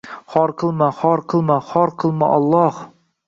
Xor qilma, xor qilma, xor qilma, Alloh.